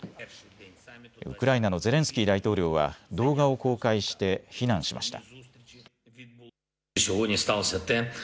ウクライナのゼレンスキー大統領は動画を公開して非難しました。